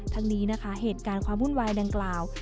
ทั้งนี้นะคะเหตุการณ์ความวุ่นวายดังกล่าว